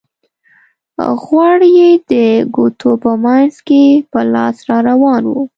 غوړ یې د ګوتو په منځ کې په لاس را روان وو.